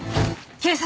警察！？